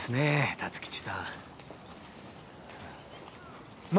辰吉さんま